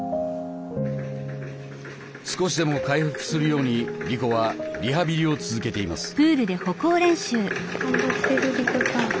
少しでも回復するようにリコはリハビリを続けています。